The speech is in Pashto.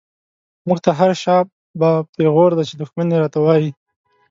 موږ ته هر” شا به” پيغور دی، چی دښمن يې را ته وايې